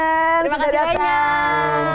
terima kasih banyak